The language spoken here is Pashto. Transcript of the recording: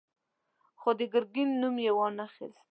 خو د ګرګين نوم يې وانه خيست.